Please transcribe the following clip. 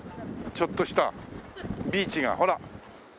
ちょっとしたビーチが。ほら。